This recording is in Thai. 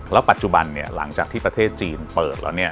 แล้วปัจจุบันหลังจากที่ประเทศจีนเปิดแล้ว